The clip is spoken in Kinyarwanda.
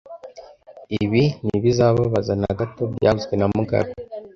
Ibi ntibizababaza na gato byavuzwe na mugabe